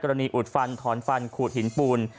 อุดฟันถอนฟันขูดหินปูน